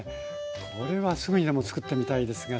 これはすぐにでも作ってみたいですが。